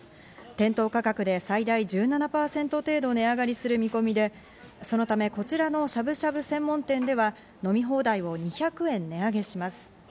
店頭価格で最大１７％程度値上がりする見込みで、そのため、こちらのしゃぶしゃぶ専門店では飲み放題を２００円値上げします。